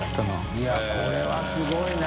いやこれはすごいな。